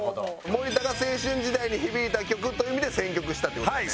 森田が青春時代に響いた曲という意味で選曲したって事よね。